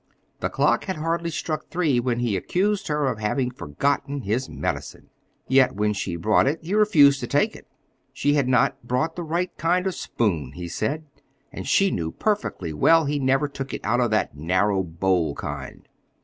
The clock had hardly struck three when he accused her of having forgotten his medicine. Yet when she brought it he refused to take it. She had not brought the right kind of spoon, he said, and she knew perfectly well he never took it out of that narrow bowl kind.